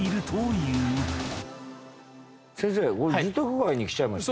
先生住宅街に来ちゃいました。